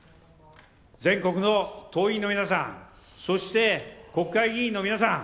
全国の党員の皆さん、そして、国会議員の皆さん。